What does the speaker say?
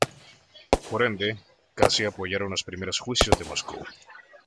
Por ende, casi apoyaron los primeros Juicios de Moscú.